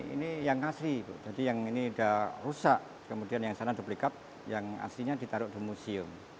ini yang asli jadi yang ini sudah rusak kemudian yang sana duplikap yang aslinya ditaruh di museum